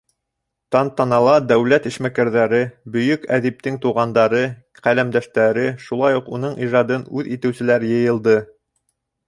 Тантанала дәүләт эшмәкәрҙәре, бөйөк әҙиптең туғандары, ҡәләмдәштәре, шулай уҡ уның ижадын үҙ итеүселәр йыйылды.